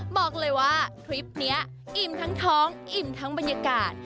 บอกเลยว่าทริปนี้อิ่มทั้งท้องอิ่มทั้งบรรยากาศ